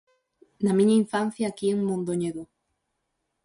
Na miña infancia, aquí, en Mondoñedo.